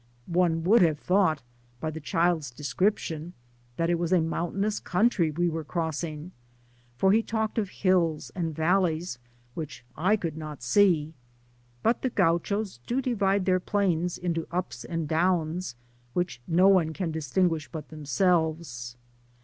One would have thought by the child^s description, that it was a mountainous country we were crossing, for he talked of hills and valleys which I could not see ; but the Gaudios do divide their plains into ups and downs, whidi ik> cme can Digitized byGoogk THE PAMPAS. SS5 distinguish but themselves.